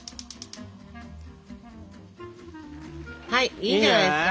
はいいいんじゃないですか？